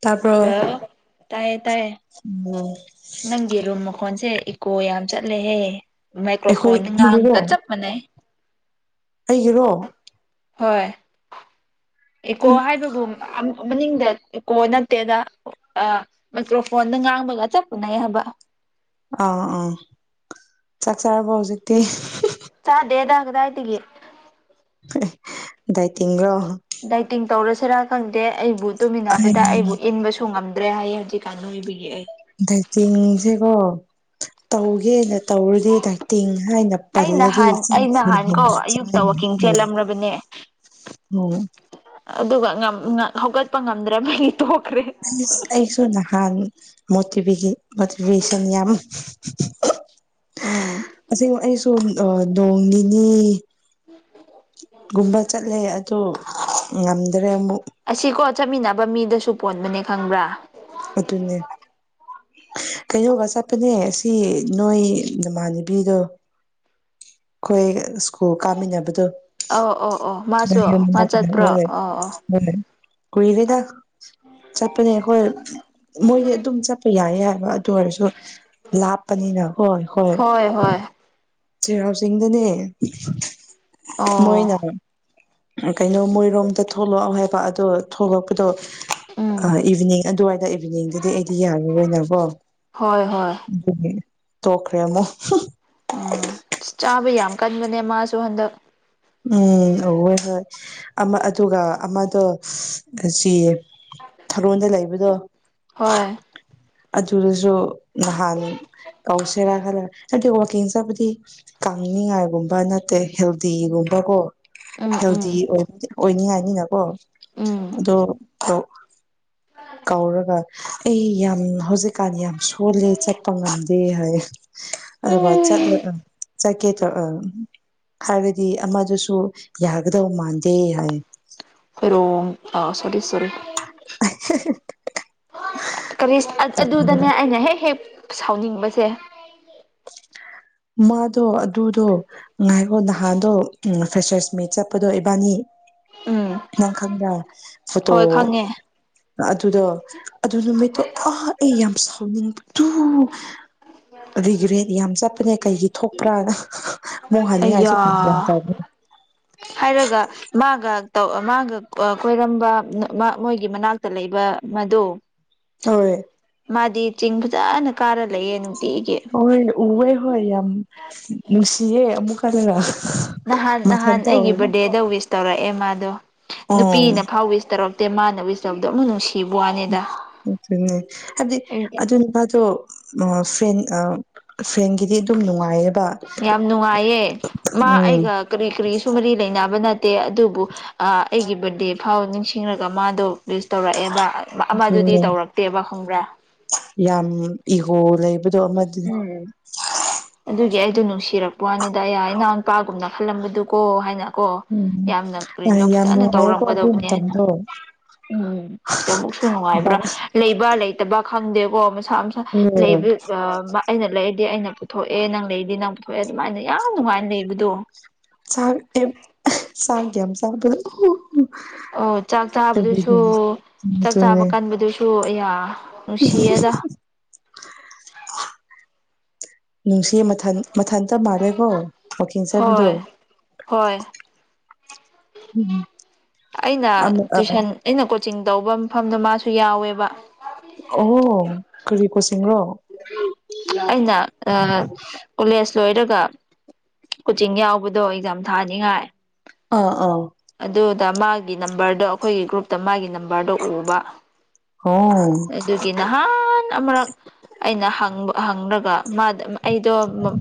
ꯇꯥꯕ꯭ꯔꯣ ꯋꯥ ꯇꯌꯦ ꯇꯥꯏꯌꯦ ꯎꯝ ꯅꯪꯒꯤ ꯔꯨꯝ ꯃꯈꯣꯟꯁꯦ ꯏꯀꯣ ꯌꯥꯝ ꯆꯠ ꯆꯠꯂꯦꯍꯦ ꯑꯩꯈꯣꯏ ꯃꯥꯏꯀ꯭ꯔꯣꯐꯣꯟ ꯑꯩꯒꯤꯔꯣ ꯉꯥꯡꯒ ꯆꯞ ꯃꯥꯟꯅꯩ ꯑꯩꯒꯤꯔꯣ꯫ ꯍꯣꯏ꯫ ꯏꯀꯣ ꯍꯥꯏꯕꯒꯨꯝ ꯑ ꯃꯅꯤꯡꯗ ꯏꯀꯣ ꯅꯠꯇꯦꯗ ꯑ ꯃꯥꯏꯀ꯭ꯔꯣꯐꯣꯟꯗ ꯉꯥꯡꯕꯒ ꯆꯞ ꯃꯅꯩ ꯍꯥꯏꯕ꯫ ꯑꯥ ꯑꯥ ꯆꯥꯛ ꯆꯥꯔꯕꯣ ꯍꯧꯖꯤꯛꯇꯤ꯫ ꯆꯥꯗꯦꯗ ꯀꯗꯥꯏꯗꯒꯤ꯫ ꯗꯥꯥꯏꯇꯤꯡꯔꫭ꯫ ꯗꯥꯏꯇꯤꯡ ꯇꯧꯔꯁꯤꯔꯥ ꯈꯪꯗꯦ ꯑꯩꯕꯨ ꯇꯨꯃꯤꯟꯅꯕꯗ ꯑꯩꯕꯨ ꯑꯩ ꯏꯟꯕꯁꯨ ꯉꯝ ꯔꯦ ꯍꯥꯏꯌꯦ ꯍꯧꯖꯤꯛꯀꯥꯟ ꯅꫭꯏꯕꯒꯤ ꯑꯩ꯫ ꯗꯥꯏꯇꯤꯡꯁꯦꯀꯣ ꯇꯧꯒꯦꯅ ꯇꯧꯔꯗꯤ ꯗꯥꯏꯇꯤꯡ ꯍꯥꯏꯅ ꯑꯩ ꯄꯜꯂꯗꯤ꯫ ꯅꯍꯥꯟ [inaudible] ꯑꯩ ꯅꯍꯥꯟꯀꯣ ꯑꯌꯨꯛꯇ ꯋꯥꯛꯀꯤꯡ ꯆꯦꯜꯂꯝꯔꯕꯅꯦ ꯎꯝ ꯑꯗꯨꯒꯉꯟꯅ ꯍꯧꯒꯠꯄ ꯉꯝꯗ꯭ꯔꯕꯒꯤ ꯇꯣ ꯏꯁ ꯑꯩꯁꯨ ꯅꯍꯥꯥꯟ ꯃꯣꯠꯇꯤꯕꯦꯒꯤ ꯃꫭꯇꯤꯕꯦꯁꯟ ꯌꯥꯝꯏ꯫ ꯎꯝ ꯑꯁꯦꯡꯕ ꯑꯩꯁꯨ ꯑ ꯅꯣꯡ ꯅꯤꯅꯤ ꯒꯨꯝꯕ ꯆꯠꯂꯦ ꯑꯗꯨ ꯉꯝꯗ꯭ꯔꯦ ꯑꯃꯨꯛ꯫ ꯑꯁꯤꯀꯣ ꯆꯠꯃꯤꯟꯅꯕ ꯃꯤꯗꯁꯨ ꯄꯣꯟꯕꯅꯦ ꯈꯪꯕ꯭ꯔꯥ꯫ ꯑꯗꯨꯅꯦ꯫ ꯀꯩꯅꯣꯒ ꯆꯠꯄꯅꯦ ꯑꯁꯤ ꯅꯣꯏ ꯅꯃꯥꯟꯅꯕꯤꯗꯣ꯫ ꯑꯩꯈꯣꯏ ꯁ꯭ꯀꯨꯜ ꯀꯥꯃꯤꯟꯅꯕꯗꯣ꯫ ꯑꯧ ꯑꫭ-ꯑꯣ ꯃꯥꯁꯨ ꯃꯥ ꯆꯠꯄ꯭ꯔꯣ ꯑꯥ ꯑꫭ꯫ ꯀꯨꯏꯔꯦꯗ ꯆꯠꯄꯅꯦ ꯑꯈꯣꯏ ꯃꯣꯏꯗꯤ ꯑꯗꯨꯝ ꯆꯠꯄ ꯌꯥꯏꯌꯦ꯫ ꯑꯗꯨ ꯑꯣꯏꯔꯁꯨ ꯂꯥꯞꯄꯅꯤꯅ ꯍꯣꯏ-ꯍꯣꯏ꯫ ꯍꯣꯏ ꯍꯣꯏ ꯆꯩꯔꯥꯎ ꯆꯤꯡꯗꯅꯦ ꯑꯣ ꯃꯣꯏꯅ ꯀꯩꯅꯣ ꯃꯣꯏꯔꯣꯝꯗ ꯊꯣꯛꯂꯛꯑꯣ ꯍꯥꯏꯕ ꯑꯗꯣ ꯊꯣꯛꯂꯛꯄꯗꯣ ꯑ ꯎꯝ ꯏꯚꯤꯅꯤꯡ ꯑꯗꯨꯋꯥꯏꯗ ꯏꯚꯤꯅꯤꯡꯗꯗꯤ ꯑꯩꯗꯤ ꯌꯥꯔꯔꯣꯏꯅꯀꯣ꯫ ꯍꯣꯏ ꯍꯣꯏ ꯗꯨꯒꯤ ꯇꫭꯛꯈ꯭ꯔꯦꯃ꯫ ꯑ ꯆꯥꯕ ꯌꯥꯝ ꯀꯟꯕꯅꯦ ꯃꯥꯁꯨ ꯍꯟꯗꯛ꯫ ꯎꯝ ꯎꯋꯦ ꯍꯣꯏ ꯑꯃ ꯑꯗꯨꯒ ꯑꯃꯗꯣ ꯑꯁꯤ ꯊꯔꯣꯟꯗ ꯂꯩꯕꯗꯣ꯫ ꯍꯣꯏ꯫ ꯑꯗꯨꯗꯁꯨ ꯅꯍꯥꯟ ꯀꯧꯁꯦꯔꯥ ꯈꯜꯂ ꯍꯥꯏꯗꯤ ꯋꯥꯋꯥꯛꯀꯤꯡ ꯆꯠꯄꯗꯤ ꯀꯥꯡꯅꯤꯡꯉꯥꯏꯒꯨꯝꯕ ꯅꯠꯇꯦ ꯍꯦꯜꯗꯤꯒꯨꯝꯕ ꯀꯣ꯫ ꯎꯝ ꯎꯝ ꯍꯦꯜꯗꯤ ꯑꫭꯏ ꯑꯣꯏꯅꯤꯡꯉꯥꯏꯅꯤꯅꯀꯣ ꯎꯝ ꯑꯗꯣ ꯀꯧꯔꯒ ꯑꯩ ꯌꯥꯝ ꯍꯧꯖꯤꯛꯀꯥꯟ ꯌꯥꯝ ꯁꯣꯜꯂꯦ ꯆꯠꯄ ꯉꯝꯗꯦ ꯍꯥꯏꯌꯦ꯫ ꯑꯗꯨꯒ ꯆꯠꯂ ꯎꯝ ꯆꯠꯀꯦ ꯇꯧ ꯑꯝ ꯍꯥꯏꯕꯗꯤ ꯑꯃꯗꯨꯁꯨ ꯌꯥꯒꯗꯧ ꯃꯥꯟꯗꯦ ꯍꯥꯏ꯫ ꯍꫭꯏꯔꯣꯡ ꯑ ꯁꯣꯔꯤ-ꯁꯣꯔꯤ꯫ [unintelligible] ꯀꯔꯤ ꯑꯗꯨꯗꯅꯦ ꯑꯩꯅ ꯍꯦꯛ-ꯍꯦꯛ ꯁꯥꯎꯅꯤꯡꯕꯁꯦ꯫ [unintelligible] ꯃꯥꯗꯣ ꯑꯗꯨꯗꯣ ꯉꯥꯏꯈꯣ ꯅꯍꯥꯟꯗꯣ ꯎꯝ ꯐꯦꯁꯔꯁ ꯃꯤꯠ ꯆꯠꯄꯗꯣ ꯏꯕꯥꯅꯤ ꯎꯝ ꯅꯪ ꯈꯪꯕ꯭ꯔꯥ꯫ ꯐꯣꯇꯣ ꯍꯣꯏ ꯈꯪꯉꯦ꯫ ꯑꯗꯨꯗꯣ ꯑꯗꯨ ꯅꯨꯃꯤꯠꯇꯣ ꯑꯥ ꯑꯩ ꯌꯥꯝ ꯁꯥꯎꯅꯤꯡ ꯇꯨ ꯔꯤꯒ꯭ꯔꯦꯠ ꯌꯥꯝ ꯆꯠꯄꯅꯦ ꯀꯩꯒꯤ ꯊꯣꯛꯄ꯭ꯔꯥꯅ꯫ ꯑꯃꯨꯛ ꯍꯟꯅꯤꯡꯉꯥꯏꯁꯨ ꯑꯩꯌꯥ ꯐꯔꯛ ꯌꯥꯝ ꯇꯥꯕꯅꯦ ꯍꯥꯏꯔꯒ ꯃꯥꯒ ꯇꯧ ꯑ ꯃꯥꯒ ꯑ ꯀꯣꯏꯔꯝꯕꯥ ꯃ ꯃꯣꯏꯒꯤ ꯃꯅꯥꯛꯇ ꯂꯩꯕ ꯃꯗꯨ ꯍꫭꯏ꯫ ꯆꯤꯡ ꯐꯖꯅ ꯀꯥꯔ ꯂꯩꯌꯦ ꯑꯗꯨꯝ꯫ ꯍꯣꯏ ꯎꯋꯦ ꯍꯣꯏ ꯌꯥꯝ ꯅꯨꯡꯁꯤꯌꯦ ꯑꯃꯨꯛꯀꯗꯅ ꯅꯍꯥꯟ ꯅꯍꯥꯟ ꯑꯩꯒꯤ ꯕꯥꯔꯗꯦꯗ ꯋꯤꯁ ꯇꯧꯔꯛꯑꯦ ꯃꯥꯗꯣ ꯑꯣ ꯅꯨꯄꯤꯅ ꯐꯥꯎ ꯋꯤꯁ ꯇꯧꯔꯛ ꯑꯦ ꯃꯥꯅ ꯋꯤꯁ ꯇꯗꯧꯅ ꯅꯨꯡꯁꯤ ꯎ ꯍꯥꯏꯕꯗꯤ ꯑꯗꯨ ꯅꯨꯄꯥꯁꯨ ꯐꯦꯟ ꯐ꯭ꯔꯦꯟꯒꯤꯗꯤ ꯑꯗꯨꯝ ꯅꯨꯡꯉꯥꯏꯌꯦ ꯌꯥꯝ ꯅꯨꯡꯉꯥꯏꯌꯦ ꯃꯥ ꯎꯝ ꯑꯩꯒ ꯀꯔꯤ ꯀꯔꯤꯁꯨ ꯃꯔꯤ ꯂꯩꯅꯕ ꯅ ꯗꯦ ꯑꯗꯨꯕꯨ ꯑꯩꯒꯤ ꯕꯔꯗꯦ ꯐꯥꯎ ꯅꯤꯡꯁꯤꯡꯂꯒ ꯃꯥꯗꯣ ꯂꯤꯁ ꯇꯧꯔꯛꯑꯦꯕ ꯑꯃꯗꯨꯗꯤ ꯑꯗꯨꯅꯦ ꯇꯧꯔꯛꯇꯦꯕ ꯈꯪꯕ꯭ꯔꯥ ꯗ ꯃꯗꯤꯗꯤ ꯎꯝ ꯑꯗꯨꯒꯤ ꯑꯩꯗꯣ ꯅꯨꯡꯁꯤꯔꯛꯄ ꯋꯥꯅꯤꯗ ꯑꯩ ꯏꯅꯥꯎ ꯅꯨꯄꯥꯒꯨꯝꯅ ꯈꯜꯂꯝꯕꯗꯨꯀꯣ ꯍꯥꯏꯅ ꯀꯣ ꯎꯝ ꯌꯥꯝꯅ ꯀꯔꯤꯅꯣ ꯌꯥꯝ ꯐꯖꯅ ꯅꯨꯡꯉꯥꯏꯌꯦꯀꯣ ꯑꯗꯨ ꯇꯧꯔꯝꯒꯗꯧꯕꯅꯦ ꯍꯥꯏꯅ ꯃꯇꯝꯗꯣ ꯎꯝ ꯑꯃꯨꯛꯁꯨ ꯕꯥ ꯅꯨꯡꯉꯥꯏꯕ꯭ꯔꯥ ꯂꯩꯕ ꯂꯩꯇꯕ ꯈꯪꯗꯦꯕ ꯀꯣ ꯃꯁꯥ ꯃꯁꯥ ꯎꯝ ꯂꯩꯕ ꯑꯩꯅ ꯂꯩꯔꯗꯤ ꯑꯩꯅ ꯄꯨꯊꯑꯦ ꯅꯪ ꯂꯩꯔꯤꯗꯤ ꯅꯪ ꯄꯨꯊꯑꯦ ꯑꯗꯨꯃꯥꯏꯅ ꯌꯥꯝ ꯅꯨꯡꯉꯥꯏꯅ ꯂꯩꯕꯗꯣ ꯁꯥ ꯁꯥ ꯀ ꯌꯥꯝ ꯁꯥ ꯑꯣ ꯆꯥꯛ ꯆꯥꯕꯗꯨꯁꯨ ꯆꯥꯛ ꯆꯥꯕ ꯑꯗꯨꯅꯦ ꯀꯟꯕꯗꯨꯁꯨ ꯑ ꯅꯨꯡꯁꯤꯗ ꯅꯨꯡꯁꯤ ꯃꯊ ꯃꯊꯟꯇ ꯃꯥꯜꯂꯦꯀꯣ ꯋꯥꯛꯀꯤꯡ ꯆꯠꯄꯗꯣ ꯍꯣꯏ ꯍꯣꯏ ꯎꯝ ꯑꯩꯅ ꯇꯨꯏꯁꯟ ꯑꯩꯅ ꯀꯣꯆꯤꯡ ꯇꯧꯕ ꯃꯐꯝꯗꯣ ꯃꯥꯁꯨ ꯌꯥꯎꯋꯦꯕ ꯑꯣ ꯀꯔꯤ ꯀꯣꯁꯤꯡꯁꯤꯔꯣ ꯑꯩꯅ ꯀꯣꯂꯦꯖ ꯂꯣꯏꯔꯒ ꯀꯣꯆꯤꯡ ꯌꯥꯎꯕꯗꯣ ꯑꯦꯛꯖꯥꯝ ꯊꯥꯅꯤꯉꯥꯏ ꯑꯥ ꯑꯥ ꯗ ꯃꯥꯒꯤ ꯅꯝꯕꯔꯗꯣ ꯑꯩꯈꯣꯏꯒꯤ ꯒ꯭ꯔꯨꯞꯇ ꯃꯥꯒꯤ ꯅꯝꯕꯔꯗꯣ ꯎꯕ ꯑꯣ ꯑꯗꯨꯒꯤ ꯅꯍꯥꯟ ꯑꯃꯔꯛ ꯑꯩꯅꯕ ꯍꯪꯔꯒ ꯃꯥꯗ ꯑꯩꯗꯣ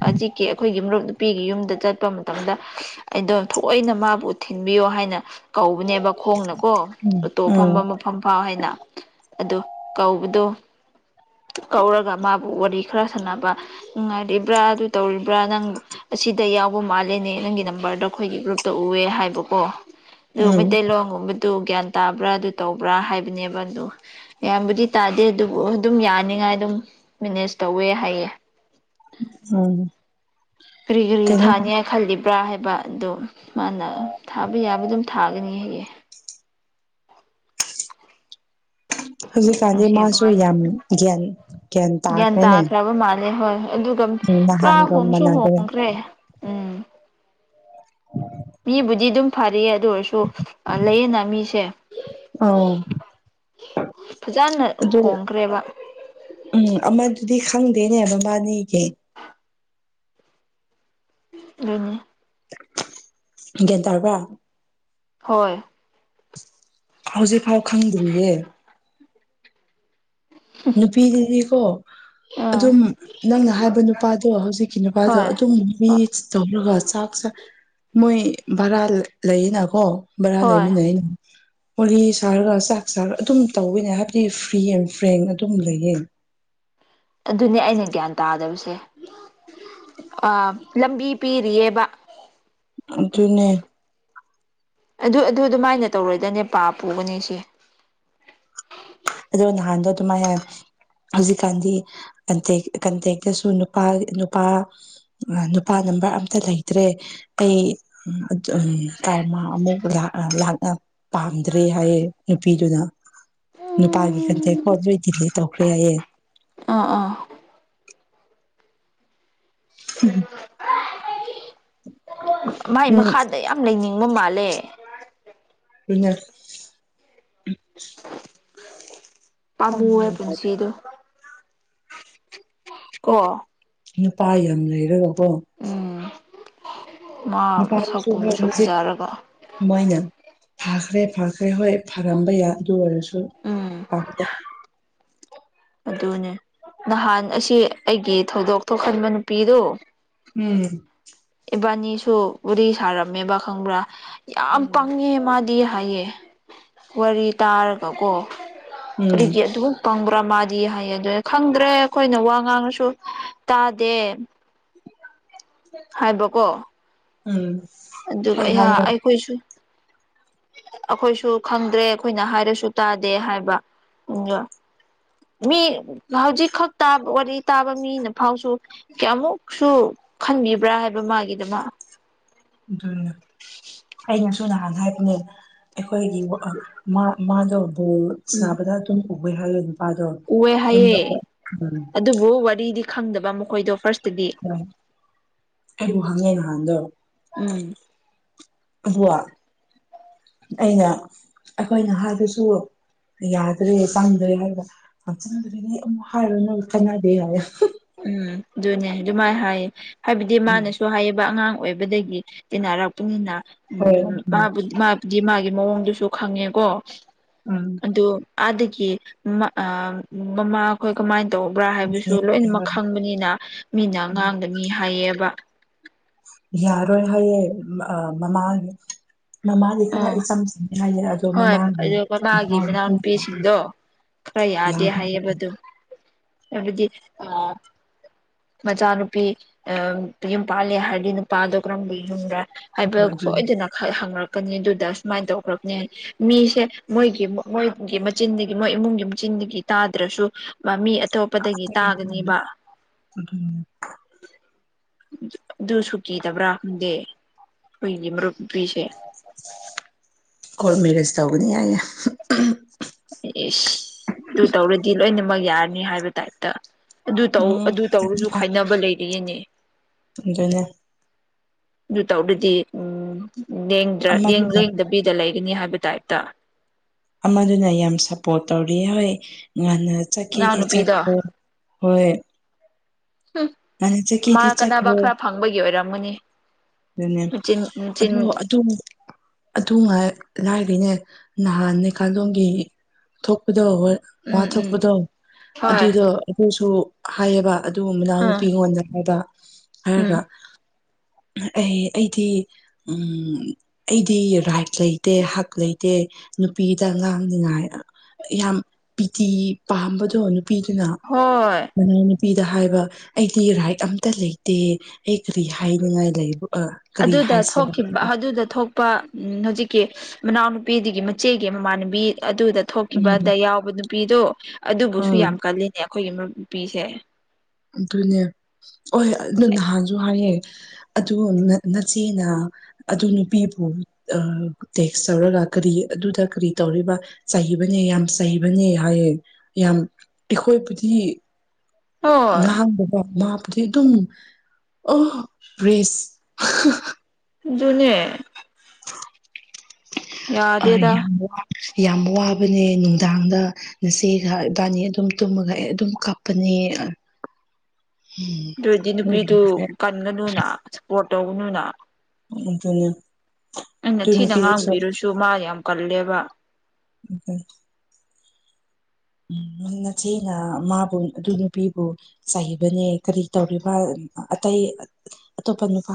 ꯍꯧꯖꯤꯛꯀꯤ ꯑꯩꯈꯣꯏꯒꯤ ꯃꯔꯨꯞ ꯅꯨꯄꯤꯒꯤ ꯌꯨꯝꯗ ꯆꯠ ꯆ ꯃꯇꯝꯗ ꯑꯩꯗꯣ ꯊꯑꯣꯏꯅ ꯃꯥꯕꯨ ꯊꯤꯟꯕꯤꯌꯣ ꯍꯥꯏꯅ ꯀꯧꯕꯅꯦꯕ ꯈꯣꯡꯅꯀꯣ ꯎꯝ ꯎꯇꯣꯞ ꯎꯝ ꯐꯝꯕ ꯃꯐꯝ ꯐꯥꯎ ꯍꯥꯏꯅ ꯑꯗꯣ ꯀꯧꯕꯗꯣ ꯀꯧꯔꯒ ꯃꯥꯕꯨ ꯋꯥꯔꯤ ꯈꯔ ꯁꯥꯟꯅꯕ ꯅꯨꯡꯉꯥꯏꯔꯤꯕ꯭ꯔꯥ ꯑꯗꯨ ꯇꯧꯔꯤꯕ꯭ꯔꯥ ꯅꯪ ꯁꯤꯗ ꯌꯥꯎꯕ ꯃꯥꯜꯂꯦꯅꯦ ꯅꯪꯒꯤ ꯅꯝꯕꯔꯗꯣ ꯑꯩꯈꯣꯏꯒꯤ ꯒ꯭ꯔꯨꯞꯇ ꯎꯑꯦ ꯍꯥꯏꯕꯀꯣ ꯑꯗꯨ ꯎꯝ ꯃꯩꯇꯩꯂꯣꯟꯒꯨꯝꯕꯗꯨ ꯒ꯭ꯌꯥꯟ ꯇꯥꯕ꯭ꯔꯥ ꯑꯗꯨ ꯇꯧꯕ꯭ꯔꯥ ꯍꯥꯏꯕꯅꯦꯕ ꯑꯗꯨ ꯏꯌꯥꯝꯕꯨꯗꯤ ꯇꯥꯗꯦ ꯑꯗꯨꯕꯨ ꯑꯗꯨꯝ ꯌꯥꯅꯤꯉꯥꯏ ꯑꯗꯨꯝ ꯃꯦꯅꯦꯖ ꯇꯧꯋꯦ ꯍꯥꯏꯌꯦ ꯎꯝ ꯀꯔꯤꯒꯔꯤ ꯀꯩꯅꯣ ꯊꯥꯅꯤ ꯈꯂꯤ ꯕ꯭ꯔꯥ ꯍꯥꯏꯕ ꯑꯗꯨꯣ ꯃꯥꯅ ꯊꯥꯕ ꯌꯥꯕ ꯑꯗꯨꯝ ꯊꯥꯒꯅꯤ ꯍꯌꯦꯌꯦꯡ ꯍꯧꯖꯤꯛꯀꯥꯟꯗꯤ ꯅꯨꯡꯁꯤꯕ ꯃꯥꯁꯨ ꯋꯥꯅꯤ ꯌꯥꯝ ꯒ꯭ꯌꯥꯅꯤ ꯒ꯭ꯌꯥꯟ ꯇꯥꯈ꯭ꯔꯕ ꯃꯥꯜꯂꯦ ꯍꯣꯏ ꯑꯗꯨꯒ ꯎꯝ ꯄꯨꯔꯥ ꯅꯍꯥꯟꯒ ꯍꯣꯡꯁꯨ ꯃꯥꯟꯅꯗ꯭ꯔꯦ ꯍꯣꯡꯈ꯭ꯔꯦ ꯎꯝ ꯃꯤꯕꯨꯗꯤ ꯑꯗꯨꯝ ꯐꯔꯌꯦ ꯑꯗꯨ ꯑꯣꯏꯔꯁꯨ ꯂꯩꯌꯦꯅ ꯃꯤꯁꯦ ꯑ ꯐꯖꯅ ꯑ ꯍꯣꯡꯈ꯭ꯔꯦꯕ ꯎꯝ ꯑꯃꯗꯨꯗꯤ ꯈꯪꯗꯦꯅꯦꯕꯕꯥꯅꯤꯒꯤ ꯂꯩꯅꯤ ꯒ꯭ꯌꯥꯟ ꯇꯥꯔꯕ꯭ꯔ ꯍꯣꯏ ꯍꯧꯖꯤꯛꯐꯥꯎ ꯈꯪꯗ꯭ꯔꯤꯌꯦ ꯅꯨꯄꯤꯗꯤ ꯀꯣ ꯑꯥ ꯑꯗꯨꯝ ꯅꯪꯅ ꯍꯥꯏꯕ ꯅꯨꯄꯥꯗꯣ ꯍꯧꯖꯤꯛꯀꯤ ꯅꯨꯄꯥꯗꯣ ꯍꯣꯏ ꯑꯗꯨꯝ ꯃꯤ ꯇꯧꯔꯒ ꯆꯥꯛꯁ ꯃꯣꯏ ꯚꯔꯥ ꯂꯩꯌꯦꯅꯀꯣ ꯚꯔꯥ ꯍꯣꯏ ꯂꯩꯃꯤꯟꯅꯩꯩꯅ ꯋꯥꯔꯤ ꯁꯥꯔꯒ ꯆꯥꯛ ꯆꯥꯔꯒ ꯑꯗꯨꯝ ꯇꯧꯕꯋꯅꯦ ꯍꯥꯏꯕꯗꯤ ꯐ꯭ꯔꯤ ꯑꯦꯟ ꯐ꯭ꯔꯦꯡ ꯑꯗꯨꯝ ꯂꯩꯌꯦ ꯑꯗꯨꯅꯦ ꯑꯩꯅ ꯒ꯭ꯌꯥꯟ ꯇꯥꯗꯕꯁꯦ ꯑ ꯂꯝꯕꯤ ꯄꯤꯔꯤꯌꯦꯕ ꯑꯗꯨꯅꯦ ꯑꯗꯨ ꯑꯗꯨ ꯑꯗꯨꯃꯥꯏꯅ ꯇꯧꯔꯣꯏꯗꯅꯦ ꯄꯥ ꯄꯨꯒꯅꯤ ꯁꯤꯦ ꯑꯗꯨꯗ ꯅꯍꯥꯟꯗ ꯇꯨꯃꯥꯏ ꯍꯧꯖꯤꯛꯀꯥꯟꯗꯤ ꯀꯟꯇꯦꯛ ꯀꯟꯇꯦꯛꯇꯁꯨ ꯅꯨꯄꯥ ꯅꯨꯄꯥ ꯅꯨꯄꯥꯅ ꯅꯝꯕ ꯑꯝꯇ ꯂꯩꯇ꯭ꯔꯦ ꯑꯩꯝ ꯀꯔꯃ ꯑꯃꯨꯛ ꯄꯥꯝꯗ꯭ꯔꯦ ꯍꯥꯏꯌꯦꯦ ꯅꯨꯄꯤꯗꯨꯅ ꯅꯨꯄꯥꯒꯤ ꯈꯟꯊꯦ ꯈꯣꯠꯇ꯭ꯔꯣꯏꯗꯤꯗꯤ ꯇꯧꯈ꯭ꯔꯦ ꯍꯥꯏꯌꯦꯦ ꯑꯥ ꯑꯥ ꯎꯝ ꯃꯥꯏ ꯎꯝ ꯃꯈꯥꯗ ꯌꯥꯝ ꯂꯩꯅꯤꯡꯕ ꯃꯥꯜꯂꯦ ꯏꯩꯅ ꯄꯥꯝꯃꯨꯑꯦ ꯃꯥꯜꯂꯦ ꯄꯨꯟꯁꯤꯗ ꯀ ꯅꯨꯄꯥ ꯌꯥꯝ ꯂꯩꯔꯒꯀꯣ ꯎꯝ ꯃꯥ ꯅꯨꯄꯥꯁꯨ ꯍꯣꯏ ꯃꯁꯛꯀꯨꯝꯕꯁꯨ ꯍꯧꯖꯤꯛ ꯐꯖꯔꯒ ꯃꯣꯏꯅ ꯐꯈ꯭ꯔꯦ ꯐꯥꯈ꯭ꯔꯦ ꯍꯣꯏ ꯊꯔꯝꯕ ꯌꯥꯏ ꯑꯗꯨ ꯑꯣꯏꯔꯁꯨ ꯎꯝ ꯄꯥꯝꯖꯩ ꯑꯗꯨꯅꯦ ꯅꯍꯥꯟ ꯑꯁꯤ ꯑꯩꯒꯤ ꯊꯧꯗꯣꯛ ꯊꯣꯛꯍꯟꯕ ꯅꯨꯄꯤꯗꯨꯣ ꯎꯝ ꯕꯥꯅꯤꯁꯨ ꯋꯥꯔꯤ ꯁꯥꯔꯝꯃꯦꯕ ꯈꯪꯕ꯭ꯔꯥ ꯌꯥꯝ ꯎꯝ ꯄꯪꯉꯦ ꯃꯥꯗꯤ ꯍꯥꯏꯌꯦ ꯋꯥꯔꯤ ꯇꯥꯔꯒꯀꯣ ꯎꯝ ꯀꯔꯤꯒꯤ ꯑꯗꯨꯝ ꯐꯪꯕ꯭ꯔꯥ ꯃꯥꯗꯤ ꯍꯥꯏꯌꯦ ꯈꯪꯗ꯭ꯔꯦ ꯑꯩꯈꯣꯏꯅ ꯋꯥ ꯉꯥꯡꯉꯁꯨ ꯇꯥꯗꯦ ꯍꯥꯏꯕꯀꯣ ꯎꯝ ꯍꯣꯏ ꯑꯗꯨꯒꯍ ꯍꯥꯏꯌꯦ ꯑꯩꯈꯣꯏꯁꯨ ꯑꯩꯈꯣꯏꯁꯨ ꯈꯪꯗ꯭ꯔꯦ ꯑꯩꯈꯣꯏꯅ ꯍꯥꯏꯔꯁꯨ ꯇꯥꯗꯦ ꯍꯥꯏꯕ ꯎ ꯃꯤ ꯍꯧꯖꯤꯛꯈꯛ ꯇꯥꯕ ꯋꯥꯔꯤ ꯇꯥꯕ ꯃꯤꯅ ꯐꯥꯎꯁꯨ ꯀꯌꯥꯃꯨꯛꯁꯨ ꯈꯟꯕꯤꯕ꯭ꯔꯥ ꯍꯥꯏꯕ ꯃꯥꯒꯤꯗꯨꯃ ꯑꯗꯨ ꯑꯩꯅꯁꯨ ꯅꯍꯥꯟ ꯍꯥꯏꯕꯅꯦ ꯑꯩꯈꯣꯏꯒꯤ ꯃꯥꯗꯣ ꯜ ꯎꯝ ꯁꯥꯅꯥꯕꯗ ꯑꯗꯨꯝ ꯎꯕꯦ ꯍꯥꯏꯜꯂ ꯎꯑꯦ ꯍꯥꯏꯌꯦꯦ ꯑꯗꯨꯕꯨ ꯋꯥꯔꯤꯗꯤ ꯈꯪꯗꯕ ꯃꯈꯣꯏꯗꯣ ꯐꯥꯔꯁ ꯍꯣꯏ ꯑꯩ ꯍꯪꯉꯦ ꯅꯍꯥꯟꯗꯣ ꯎꯝ ꯑꯗꯨ ꯑꯩꯅ ꯑꯩꯈꯣꯏꯅ ꯍꯥꯏꯕꯁꯨ ꯌꯥꯗ꯭ꯔꯦ ꯆꯪꯗ꯭ꯔꯦ ꯍꯥꯏꯔꯒ ꯌꯥꯝ ꯆꯪꯗ꯭ꯔꯦꯅꯦ ꯑꯃꯨꯛ ꯍꯥꯏꯔꯅ ꯈꯅꯗꯦ ꯍꯥꯏꯔ ꯎꯝ ꯑꯗꯨꯅꯦ ꯑꯗꯨꯃꯥꯏꯅ ꯍꯥꯏꯌꯦ ꯍꯥꯏꯕꯗꯤ ꯃꯥꯅꯁꯨ ꯍꯥꯏꯌꯦꯕ ꯑꯉꯥꯡ ꯑꯣꯏꯕꯗꯒꯤ ꯇꯟꯅꯔꯛꯄꯅꯤꯅ ꯎ ꯍꯣꯏ ꯃꯥ ꯎꯝ ꯃꯥꯒꯤ ꯃꯑꯣꯡꯗꯨꯁꯨ ꯈꯪꯉꯦꯀꯣ ꯑꯗꯨ ꯑꯗꯒꯤ ꯃꯃꯥ ꯑꯩꯈꯣꯏ ꯀꯃꯥꯏꯅ ꯇꯧꯕ꯭ꯔꯥ ꯍꯥꯏꯕꯁꯨ ꯂꯣꯏꯅꯃꯛ ꯈꯪꯕꯅꯤꯅ ꯃꯤꯅ ꯎꯝ ꯉꯥꯡꯕ ꯃꯤ ꯍꯥꯏꯌꯦꯕ ꯌꯥꯔꯣꯏ ꯍꯥꯏꯌꯦ ꯃꯃꯥ ꯃꯃꯥꯗꯤ ꯈꯔ ꯑꯣ ꯏꯆꯝ ꯆꯝꯅꯤ ꯍꯥꯏꯌꯦꯦ ꯑꯗꯣ ꯍꯣꯏ ꯃꯃꯥꯒꯤ ꯑꯗꯨ ꯃꯃꯥꯒꯤ ꯃꯅꯥꯎꯅꯨꯄꯤꯁꯤꯡꯗꯣ ꯈꯔ ꯌꯥꯗꯦ ꯍꯥꯏꯌꯦꯕ ꯑꯗꯨꯝ ꯍꯥꯏꯕꯗꯤ ꯑ ꯃꯆꯥꯅꯨꯄꯤ ꯑ ꯌꯨꯝ ꯄꯥꯜꯂ ꯍꯥꯏꯔꯗꯤ ꯅꯨꯄꯥꯗꯣ ꯀꯔꯝꯕ ꯌꯨꯝꯒꯦ ꯍꯥꯏꯕ ꯁꯣꯏꯗꯅ ꯍꯪꯉꯛ ꯑꯗꯨꯗ ꯁꯨꯃꯥꯏꯅ ꯇꯧꯈ꯭ꯔꯛꯅꯤ ꯃꯤꯁꯦ ꯃꯣꯏꯒꯤ ꯃꯣꯏꯒꯤ ꯃꯆꯤꯟꯗꯒꯤ ꯃꯣꯏ ꯏꯃꯨꯡꯒꯤ ꯃꯆꯤꯟ ꯒꯤ ꯇꯥꯗ꯭ꯔꯁꯨ ꯃꯃꯤ ꯑꯇꯣꯞꯄꯗꯒꯤ ꯇꯥꯒꯅꯦꯕ ꯎꯟ ꯑꯗꯨ ꯁꯨ ꯀꯗꯕ꯭ꯔꯥ ꯈꯪꯗꯦ ꯑꯩꯈꯣꯏꯒꯤ ꯃꯔꯨꯞ ꯅꯨꯄꯤꯁꯦ ꯀꯔ ꯃꯔꯦꯖ ꯇꯧꯒꯅꯤ ꯌꯥ ꯏꯁ ꯑꯗꯨ ꯇꯧꯔꯗꯤ ꯂꯣꯏꯅꯃꯛ ꯌꯥꯔꯅꯤ ꯍꯥꯏꯕ ꯇꯥꯏꯞꯇ ꯑꯗꯨ ꯇ ꯎꯝ ꯑꯗꯨ ꯇꯧꯔꯁꯨ ꯈꯥꯏꯅꯕ ꯂꯩꯔꯤꯌ‌ꯦꯅꯦ ꯑꯗꯨꯅꯦ ꯑꯗꯨ ꯇꯧꯔꯗꯤ ꯑꯃꯗꯨꯅ ꯎꯝꯗ꯭ꯔꯦꯡꯗꯕꯤꯗ ꯂꯩꯒꯅꯤ ꯍꯥꯏꯕ ꯇꯥꯏꯞꯇ ꯑꯃꯗꯨꯅ ꯌꯥꯝ ꯁꯞꯄꯣꯔꯠ ꯇꯧꯔꯤ ꯍꯣꯏ ꯑꯉꯥꯡ ꯆꯠꯀꯦꯗꯤ ꯅꯨꯄꯤꯗꯣ ꯆꯠꯈ꯭ꯔꯣ ꯍꯣꯏ ꯉꯟꯅ ꯃꯥ ꯆꯠꯀꯦꯗꯤ ꯀꯅꯕ ꯆꯠꯈ꯭ꯔꯣ ꯈꯔ ꯐꯪꯕꯒꯤ ꯑꯣꯏꯔꯝꯃꯅꯤ ꯑꯗꯨꯅꯦ ꯑꯗꯣ ꯑꯗꯨ ꯑꯗꯨꯉꯥꯏ ꯀꯈꯩꯅꯦ ꯅꯍꯥꯟ ꯅꯩꯀꯥꯂꯣꯡꯒꯤ ꯊꯣꯛꯄ ꯑꯗꯣ ꯎꯝ ꯎꯝ ꯋꯥꯊꯣꯛꯄꯗꯣ ꯍꯣꯏ ꯑꯗꯨꯗꯣ ꯑꯗꯨꯁꯨ ꯍꯥꯏꯌꯦꯕ ꯑꯗꯨꯒꯨꯝꯕꯅꯥꯎ ꯎꯝ ꯅꯨꯄꯤꯉꯣꯟꯗꯔꯗ ꯍꯥꯏꯔꯒ ꯎꯝ ꯑꯩ ꯑꯩꯗꯤ ꯎ ꯑꯩꯗꯤ ꯔꯥꯏꯠ ꯂꯩꯇꯦ ꯍꯛ ꯂꯩꯇꯦ ꯅꯨꯄꯤꯗ ꯉꯥꯡꯅꯤꯉꯥꯏ ꯌꯥꯝ ꯄꯤꯇꯤ ꯄꯥꯝꯕꯗꯣ ꯄꯤ ꯍꯣꯏ [unintelligible] ꯅꯨꯄꯤꯗ ꯍꯥꯏꯕ ꯑꯩꯗꯤ ꯔꯥꯏꯠ ꯑꯝꯇ ꯂꯩꯇꯦ ꯑꯩ ꯀꯔꯤ ꯍꯥꯏꯅꯤꯡꯉꯥꯏ ꯂꯩꯕ ꯑ ꯀꯔꯤ ꯑꯗꯨꯗ ꯍꯥꯏꯁꯤꯔ ꯊꯣꯛꯈꯤꯕ ꯑꯗꯨꯗ ꯊꯣꯛꯄ ꯎ ꯍꯧꯖꯤꯛ ꯀ ꯃꯅꯥꯎꯅꯨꯄꯤꯗꯨꯒꯤ ꯃꯆꯦꯒꯤ ꯃꯃꯥꯟꯅꯨꯕꯤ ꯑꯗꯨꯗ ꯎꯝ ꯊꯣꯛꯈꯤꯕꯗ ꯌꯥꯎꯕ ꯅꯨꯄꯤꯗꯨꯣ ꯑꯗꯨꯕꯨꯁꯨ ꯎꯝ ꯌꯥꯝ ꯀꯜꯂꯤꯅꯦ ꯑꯩꯈꯣꯏꯒꯤ ꯅꯨꯄꯤꯁꯦ ꯑꯗꯨꯅꯦ ꯍ ꯑꯗꯨ ꯅꯍꯥꯟꯁꯨ ꯍꯥꯏꯌꯦ ꯑꯗꯨ ꯅꯆꯦꯅ ꯑꯗꯨ ꯅꯨꯄꯤꯕꯨ ꯇꯦꯛꯁ ꯇꯧꯔꯒ ꯀꯔꯤ ꯑꯗꯨꯗ ꯀꯔꯤ ꯇꯧꯔꯤꯕ ꯍꯕꯅꯦ ꯌꯥꯝ ꯆꯩꯕꯅꯦ ꯍꯥꯏꯌꯦ ꯌꯥꯝ ꯑꯩꯈꯣꯏꯕꯨꯗꯤ ꯍꯣꯏ ꯉꯍꯥꯡꯕꯕ ꯃꯥꯕꯨꯗꯤ ꯑꯗꯨꯝ ꯑꯣ ꯄ꯭ꯔꯦꯁ [unintelligible] ꯑꯗꯨꯅꯦ [inaudible] ꯑ ꯌꯥꯗꯦꯗ ꯌꯥꯝ ꯋꯥ ꯌꯥꯝ ꯋꯥꯕꯅꯦ ꯅꯨꯡꯗꯥꯡꯗ ꯉꯆꯦꯒ ꯏ ꯕꯥꯅꯤ ꯑꯗꯨꯝ ꯇꯨꯝꯃꯒ ꯑꯩ ꯑꯗꯨꯝ ꯀꯥꯞꯄꯅꯦ [unintelligible] ꯑꯗꯨ ꯑꯣꯏꯗꯤ ꯅꯨꯄꯤꯗꯨ ꯀꯟꯒꯅꯨꯅ ꯁꯞꯄꯣꯔꯠ ꯇꯧꯒꯅꯨꯅ ꯑꯗꯨꯗꯒꯤꯅ ꯑꯩꯅ ꯊꯤꯅ ꯉꯥꯡꯕꯤꯔꯁꯨ ꯃꯥ ꯌꯥꯝ ꯀꯜꯂꯦꯕ ꯑꯗꯨꯅꯤ ꯎꯝ ꯅꯆꯦꯅ ꯃꯥꯕꯨ ꯑꯗꯨ ꯅꯨꯄꯤꯕꯨ ꯆꯩꯕꯅꯦ ꯀꯔꯤ ꯇꯧꯔꯤꯕ ꯑꯇꯩ ꯇꯣꯞꯄ ꯅꯨ ꯄꯥ